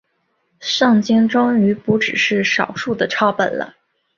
圣经终于不只是少数的抄本了。